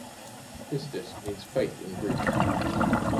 Pistis means "faith" in Greek.